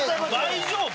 大丈夫？